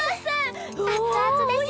熱々ですよ。